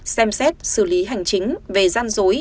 xem xét xử lý hành chính về gian dối